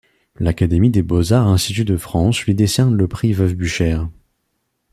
L’Académie des Beaux-Arts – Institut de France lui décerne le Prix Veuve Buchère.